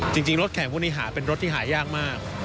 จริงรถแข่งพวกนี้หาเป็นรถที่หายากมาก